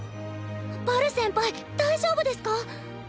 バル先輩大丈夫ですか？